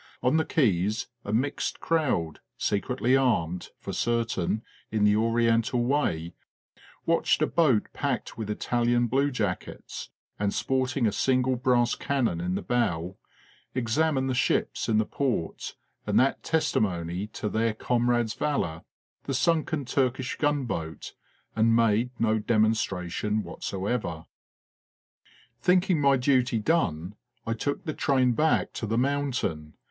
On the quays a mixed crowd, secretly armed, for certain, in the Oriental way, watched a boat packed with Italian bluejackets and sporting a single brass cannon in the bow, examine the ships in the port, and that testimony to their comrades' v alour, the sunken Turkish gunboat, and made no demonstration whatever. Thinking my duty done, I took the train back to the mountain.